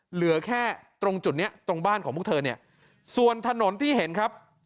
เหลือแค่ตรงจุดเนี้ยตรงบ้านของพวกเธอเนี่ยส่วนถนนที่เห็นครับ